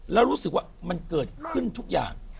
แล้วรู้สึกว่ามันเกิดขึ้นทุกอย่าง